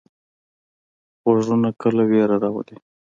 غږونه کله ویره راولي.